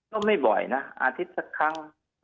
ก็ไม่บ่อยนะอาทิตย์สักครั้ง